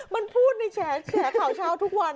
มันพูดในแฉข่าวเช้าทุกวัน